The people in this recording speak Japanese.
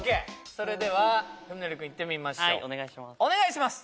それでは史記君いってみましょうはいお願いします